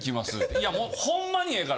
「いやもうホンマにええから。